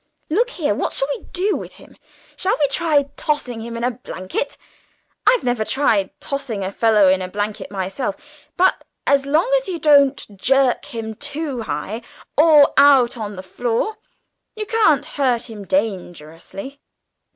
"Look here, what shall we do to him? Shall we try tossing in a blanket? I've never tried tossing a fellow in one myself, but as long as you don't jerk him too high, or out on the floor, you can't hurt him dangerously."